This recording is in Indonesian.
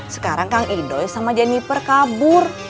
sekarang kang idoi sama jennifer kabur